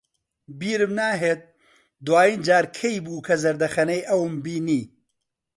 بیرم ناهێت دوایین جار کەی بوو کە زەردەخەنەی ئەوم بینی.